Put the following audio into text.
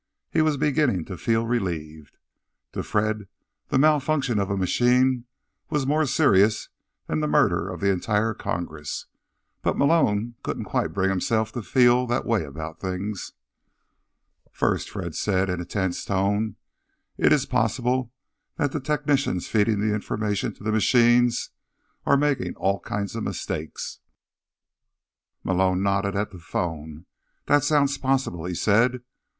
He was beginning to feel relieved. To Fred, the malfunction of a machine was more serious than the murder of the entire Congress. But Malone couldn't quite bring himself to feel that way about things. "First," Fred said in a tense tone, "it's possible that the technicians feeding information to the machines are making all kinds of mistakes." Malone nodded at the phone. "That sounds possible," he said.